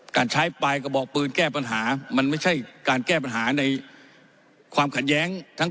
การใช้ปลายกระบอกปืนแก้ปัญหามันไม่ใช่การแก้ปัญหาในความขัดแย้งทั้ง